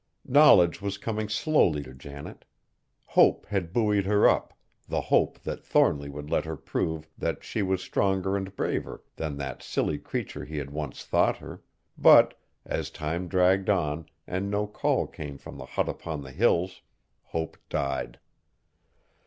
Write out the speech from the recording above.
Knowledge was coming slowly to Janet. Hope had buoyed her up, the hope that Thornly would let her prove that she was stronger and braver than that silly creature he had once thought her, but, as time dragged on and no call came from the hut upon the Hills, hope died.